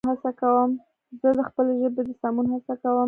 زه د خپلې ژبې د سمون هڅه کوم